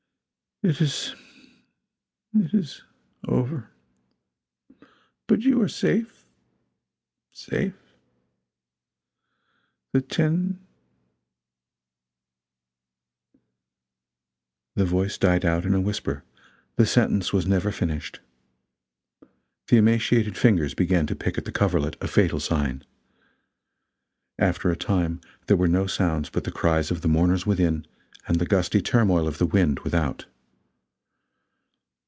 It is it is over. But you are safe. Safe. The Ten " The voice died out in a whisper; the sentence was never finished. The emaciated fingers began to pick at the coverlet, a fatal sign. After a time there were no sounds but the cries of the mourners within and the gusty turmoil of the wind without.